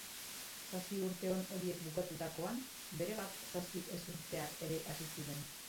Zazpi urte on horiek bukatutakoan, berebat zazpi ezurteak ere hasi ziren